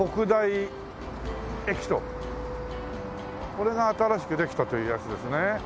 これが新しくできたというやつですね。